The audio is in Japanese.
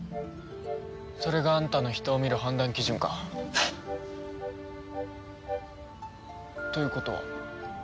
それがあんたの人を見る判断基準か。ということは。